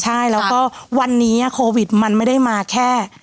ใช่แล้วก็วันนี้โควิดมันไม่ได้มาแค่